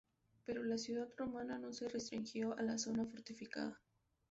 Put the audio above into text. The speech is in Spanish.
Pero la ciudad romana no se restringió a la zona fortificada.